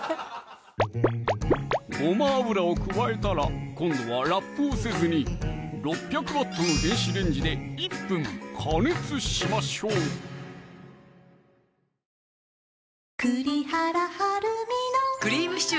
ごま油を加えたら今度はラップをせずに６００Ｗの電子レンジで１分加熱しましょうどうぞさぁこれで？